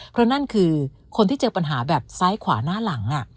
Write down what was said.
เพราะนั่นคือคนที่เจอปัญหาแบบซ้ายขวาหน้าหลัง